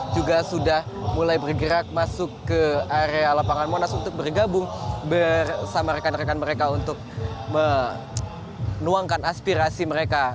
juga sudah mulai bergerak masuk ke area lapangan monas untuk bergabung bersama rekan rekan mereka untuk menuangkan aspirasi mereka